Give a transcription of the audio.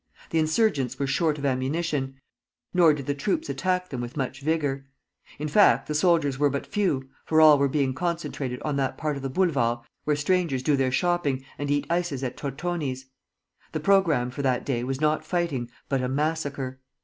The insurgents were short of ammunition, nor did the troops attack them with much vigor. In fact, the soldiers were but few, for all were being concentrated on that part of the Boulevard where strangers do their shopping and eat ices at Tortoni's. The programme for that day was not fighting, but a massacre.